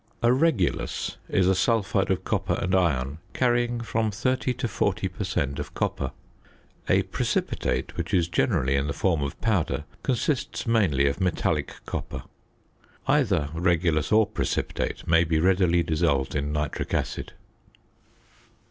A regulus is a sulphide of copper and iron, carrying from 30 to 40 per cent. of copper. A precipitate, which is generally in the form of powder, consists mainly of metallic copper. Either regulus or precipitate may be readily dissolved in nitric acid.